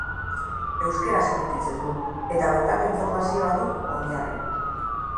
Euskaraz emititzen du eta bertako informazioa du oinarri.